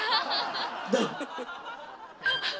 どう？